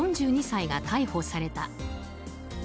４２歳が逮捕された。